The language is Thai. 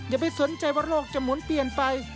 อย่าไปสนใจว่าโรคจะหมุนเปลี่ยนไป